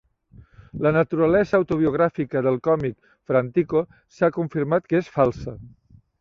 La naturalesa auto-biogràfica del còmic Frantico s'ha confirmat que és falsa.